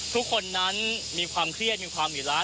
ทุกคนนั้นมีความเครียดมีความหิร้าย